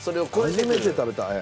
初めて食べた。